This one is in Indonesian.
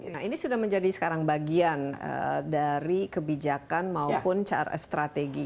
nah ini sudah menjadi sekarang bagian dari kebijakan maupun strategi